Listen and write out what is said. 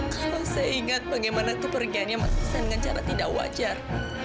kalau saya ingat bagaimana kepergiannya dengan cara tidak wajar